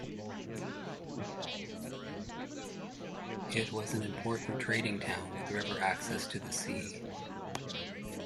It was an important trading town with river access to the sea.